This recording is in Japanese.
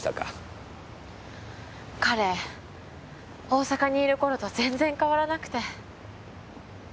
大阪にいる頃と全然変わらなくて。